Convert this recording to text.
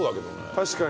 確かに。